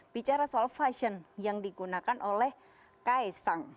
bicara soal fashion yang digunakan oleh kaisang